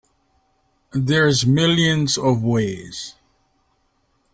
There's millions of ways.